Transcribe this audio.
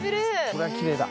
これはきれいだ。